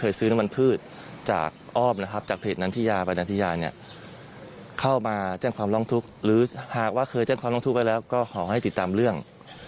เลยสบายซักครั้งในลักษณะที่ต้องไปเรื่องก็ขอให้ติดตามเรื่อง